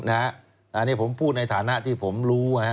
อันนี้ผมพูดในฐานะที่ผมรู้